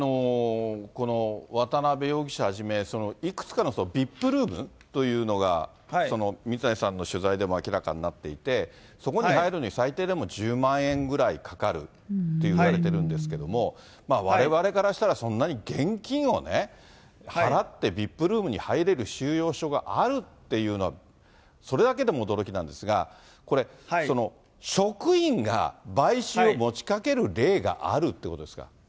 渡辺容疑者はじめ、いくつかのＶＩＰルームというのが、水谷さんの取材でも明らかになっていて、そこに入るには最低でも１０万円ぐらいかかるっていわれているんですけれども、われわれからしたら、そんなに現金をね、払ってＶＩＰルームに入れる収容所があるっていうのは、それだけでも驚きなんですが、これ、職員が買収を持ちかける例があるってことですか。